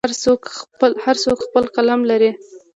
هر کس خپل قلم لري.